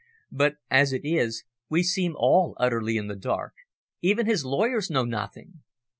But, as it is, we seem all utterly in the dark. Even his lawyers know nothing!"